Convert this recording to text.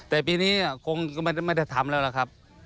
แต่ปีนี้คงไม่ได้ทำแล้วล่ะครับ